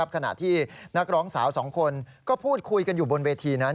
ขณะที่นักร้องสาวสองคนก็พูดคุยกันอยู่บนเวทีนั้น